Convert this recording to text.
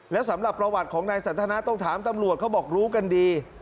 แล้วสำหรับประวัติของนายสันทนาต้องถามตำรวจเขาบอกรู้กันดี